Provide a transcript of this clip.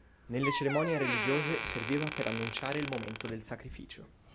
Nelle cerimonie religiose serviva per annunciare il momento del sacrificio.